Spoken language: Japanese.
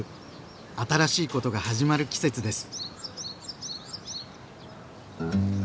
新しいことが始まる季節です。